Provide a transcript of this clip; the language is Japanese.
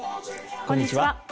こんにちは。